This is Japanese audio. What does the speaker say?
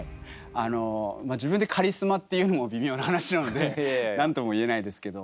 あの自分でカリスマって言うのも微妙な話なので何とも言えないですけど。